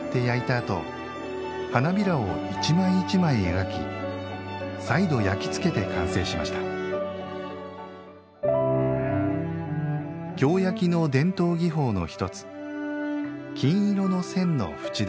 あと花びらを一枚一枚描き再度焼き付けて完成しました京焼の伝統技法の一つ金色の線の縁どり。